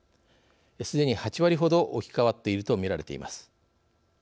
すでに８割ほど置き換わっていると見られています。